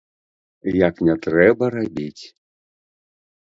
Як не трэба рабіць.